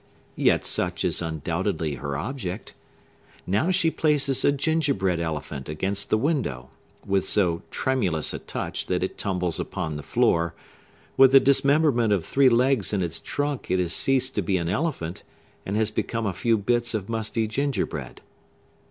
Yet such is undoubtedly her object. Now she places a gingerbread elephant against the window, but with so tremulous a touch that it tumbles upon the floor, with the dismemberment of three legs and its trunk; it has ceased to be an elephant, and has become a few bits of musty gingerbread.